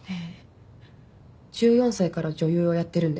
１４歳から女優をやってるんです。